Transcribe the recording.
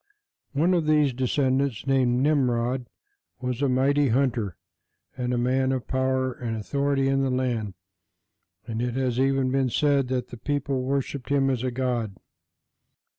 One of these descendants, named Nimrod, was a mighty hunter and a man of power and authority in the land, and it has even been said that the people worshiped him as a god.